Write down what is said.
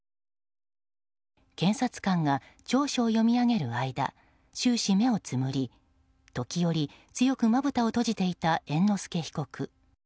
検察官が、調書を読み上げる間終始目をつむり時折、強くまぶたを閉じていた猿之助被告。